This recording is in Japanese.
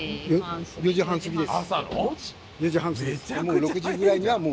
４時半過ぎです。